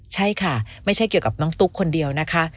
ใช่ค่ะไม่ใช่เกี่ยวกับน้องตุ๊กคนเดียวนะคะ